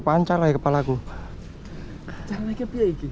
pancar lah ya kepala gue